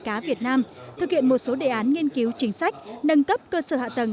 cá việt nam thực hiện một số đề án nghiên cứu chính sách nâng cấp cơ sở hạ tầng